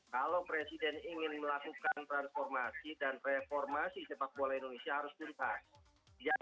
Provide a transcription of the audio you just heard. kalau presiden ingin melakukan transformasi dan reformasi sepak bola indonesia harus tuntas